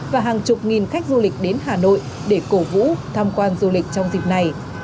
và hàng chục nghìn khách du lịch đến hà nội để cổ vũ tham quan du lịch trong dịp này